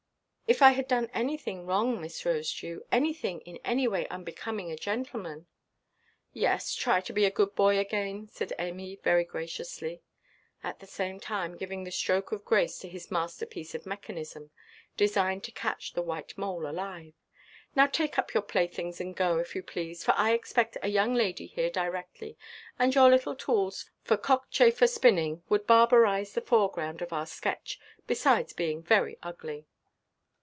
"If I have done anything wrong, Miss Rosedew, anything in any way unbecoming a gentleman——" "Yes, try to be a good boy again," said Amy, very graciously; at the same time giving the stroke of grace to his masterpiece of mechanism, designed to catch the white mole alive; "now take up your playthings and go, if you please; for I expect a young lady here directly; and your little tools for cockchafer–spinning would barbarize the foreground of our sketch, besides being very ugly."